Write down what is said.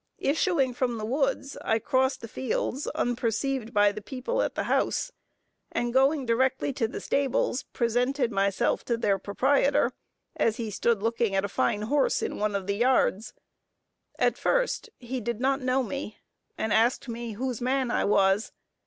Issuing from the woods, I crossed the fields unperceived by the people at the house, and going directly to the stables, presented myself to their proprietor, as he stood looking at a fine horse in one of the yards. At first he did not know me, and asked me whose man I was.